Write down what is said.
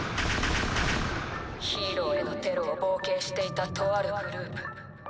ヒーローへのテロを謀計していたとあるグループ。